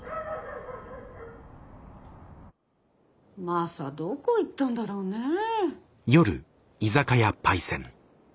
マサどこ行ったんだろうねえ。